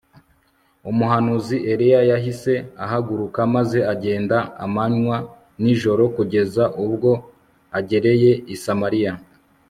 Umuhanuzi Eliya yahise ahaguruka maze agenda amanywa nijoro kugeza ubwo agereye i Samariya